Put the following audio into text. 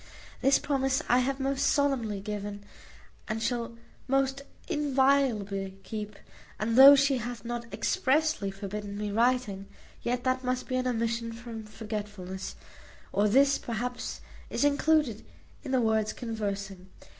This promise I have most solemnly given, and shall most inviolably keep: and though she hath not expressly forbidden me writing, yet that must be an omission from forgetfulness; or this, perhaps, is included in the word conversing.